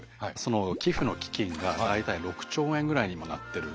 寄付の基金が大体６兆円ぐらいに今なってるんですね。